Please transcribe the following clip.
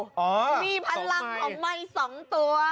มีพลังของไมค์๒ตัว